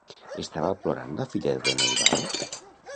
Estava plorant la filla de don Eudald?